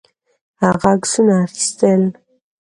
هغه عکسونه اخیستل.